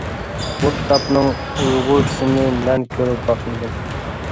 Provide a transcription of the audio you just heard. بۇ كىتابنىڭ ئۇيغۇرچىسىنى مەن كۆرۈپ باقمىدىم.